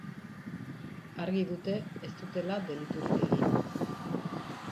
Argi dute ez dutela deliturik egin.